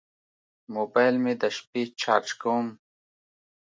موبایل مې د شپې چارج کوم.